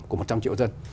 của một trăm linh triệu dân